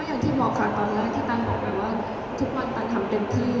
อย่างที่บอกค่ะตอนแรกที่ตันบอกไปว่าทุกวันตันทำเต็มที่